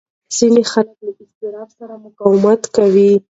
ځینې خلک له اضطراب سره مقاومت کوي.